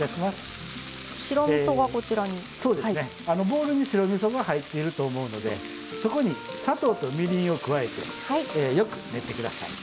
ボウルに白みそが入っていると思うのでそこに砂糖とみりんを加えてよく練って下さい。